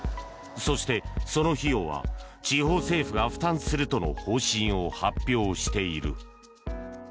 そして、その費用は地方政府が負担するとの方針を発表している。